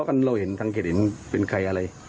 มันล้มเลย